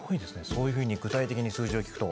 そういうふうに具体的に数字を聞くと。